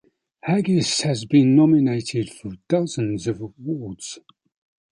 Haggis has been nominated for dozens of awards.